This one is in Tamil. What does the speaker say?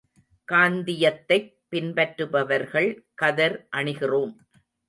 காந்தியத்தைப் பின்பற்றுபவர்கள் கதர் அணிகிறோம்.